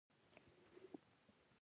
ښوونځی د کتابونو مینه پیدا کوي